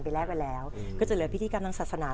ที่ได้แรกกว่าจะเลือกพิธีกรรมดังศาสนา